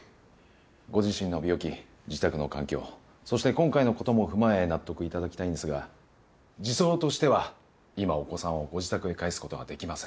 ご自身の病気自宅の環境そして今回の事も踏まえ納得頂きたいんですが児相としては今お子さんをご自宅へ帰す事はできません。